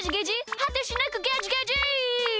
はてしなくゲジゲジ！